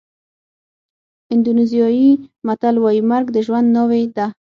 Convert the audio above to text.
اندونېزیایي متل وایي مرګ د ژوند ناوې ده.